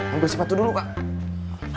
ambil si patu dulu kak